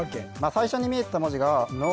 最初に見えてた文字が「の」